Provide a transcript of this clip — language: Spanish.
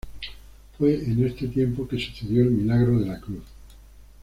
Fue en este tiempo que sucedió el Milagro de la Cruz.